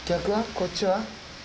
こっちは？